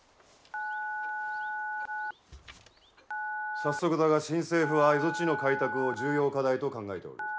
早速だが新政府は蝦夷地の開拓を重要課題と考えておる。